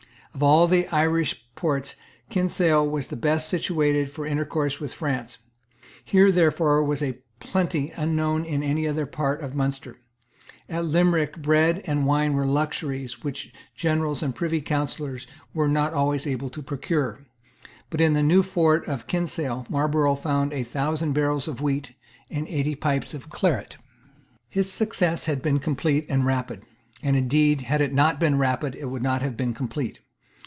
Of all the Irish ports Kinsale was the best situated for intercourse with France. Here, therefore, was a plenty unknown in any other part of Munster. At Limerick bread and wine were luxuries which generals and privy councillors were not always able to procure. But in the New Fort of Kinsale Marlborough found a thousand barrels of wheat and eighty pipes of claret. His success had been complete and rapid; and indeed, had it not been rapid, it would not have been complete.